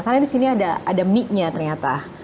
karena di sini ada mie nya ternyata